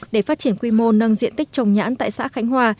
để phát triển quy mô nâng diện tích trồng nhãn tại xã khánh hòa